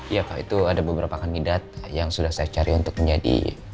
iya kalau itu ada beberapa kandidat yang sudah saya cari untuk menjadi